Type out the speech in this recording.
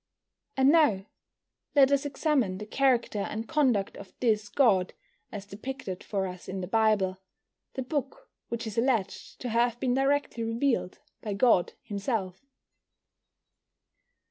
And now let us examine the character and conduct of this God as depicted for us in the Bible the book which is alleged to have been directly revealed by God Himself.